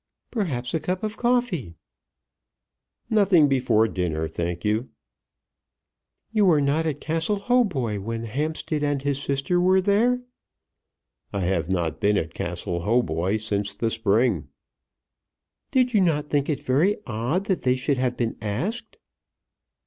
"Perhaps a cup of coffee?" "Nothing before dinner, thank you." "You were not at Castle Hautboy when Hampstead and his sister were there?" "I have not been at Castle Hautboy since the spring." "Did you not think it very odd that they should have been asked?"